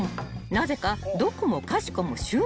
なぜかどこもかしこも］